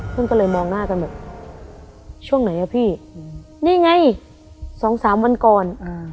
เพื่อนก็เลยมองหน้ากันบอกช่วงไหนอะพี่นี่ไงสองสามวันก่อน